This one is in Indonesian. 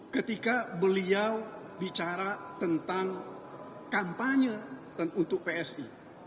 ketika beliau bicara tentang kampanye dan untuk psi